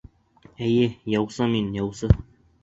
Эйе, яусы мин, яусы!